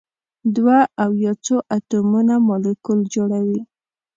دوه او یا څو اتومونه مالیکول جوړوي.